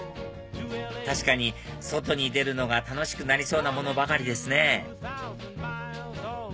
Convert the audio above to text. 確かに外に出るのが楽しくなりそうなものばかりですね